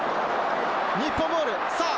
日本ボールさぁ